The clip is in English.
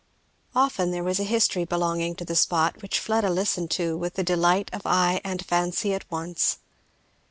Often there was a history belonging to the spot, which Fleda listened to with the delight of eye and fancy at once.